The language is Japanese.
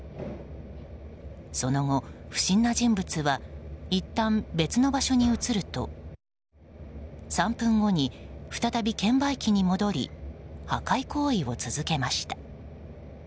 その後、不審な人物はいったん別の場所に移ると３分後に再び券売機に戻り破壊行為を続けました。